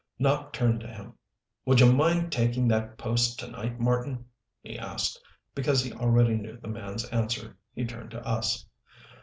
Nopp turned to him. "Would you mind taking that post to night, Marten?" he asked. Because he already knew the man's answer, he turned to us.